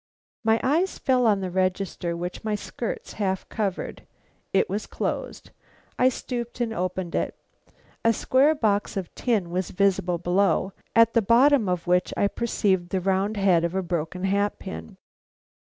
My eyes fell on the register, which my skirts half covered. It was closed; I stooped and opened it. A square box of tin was visible below, at the bottom of which I perceived the round head of a broken hat pin.